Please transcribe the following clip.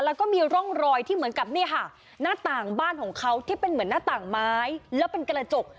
แล้วก็มีร่องรอยที่เหมือนกับเนี่ยค่ะหน้าต่างบ้านของเขาที่เป็นเหมือนหน้าต่างไม้แล้วเป็นกระจก